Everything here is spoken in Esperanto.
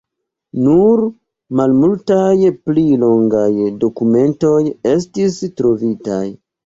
Nur malmultaj pli longaj dokumentoj estis trovitaj.